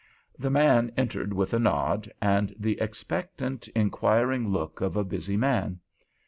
The man entered with a nod and the expectant, inquiring look of a busy man.